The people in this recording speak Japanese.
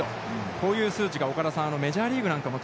こういう数値が岡田さん、メジャーリーグなんかも。